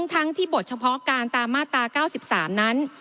ทั้งที่บทเฉพาะการตามมาตรา๙๓นั้น